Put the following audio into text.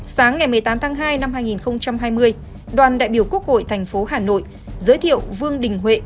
sáng ngày một mươi tám tháng hai năm hai nghìn hai mươi đoàn đại biểu quốc hội thành phố hà nội giới thiệu vương đình huệ